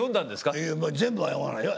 いや全部は読まないよ。